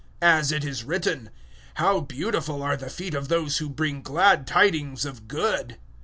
As it is written, "How beautiful are the feet of those who bring glad tidings of good!"